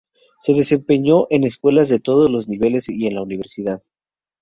Se desempeñó en escuelas de todos los niveles y en la Universidad.